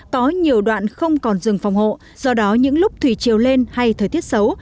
có nhiều đoạn không còn rừng phòng hộ do đó những lúc thủy chiều lên hay thời tiết xấu